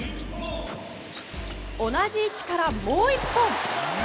同じ位置からもう１本！